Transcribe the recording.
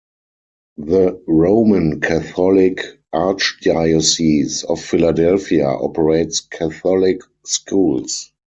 The Roman Catholic Archdiocese of Philadelphia operates Catholic schools.